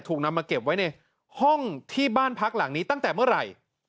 ถูกนำมาเก็บไว้ในห้องที่บ้านพักหลังนี้ตั้งแต่เมื่อไหร่